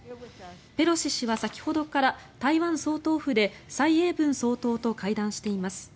ペロシ氏は先ほどから台湾総統府で蔡英文総統と会談しています。